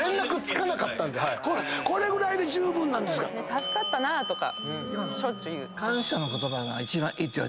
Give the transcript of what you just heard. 助かったなとか。